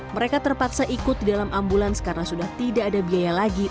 mereka terpaksa ikut di dalam ambulans karena sudah tidak ada biaya lagi